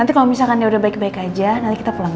nanti kalau misalkan dia udah baik baik aja nanti kita pulang